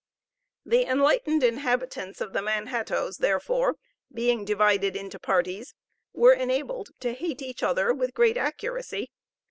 The enlightened inhabitants of the Manhattoes, therefore, being divided into parties, were enabled to hate each other with great accuracy.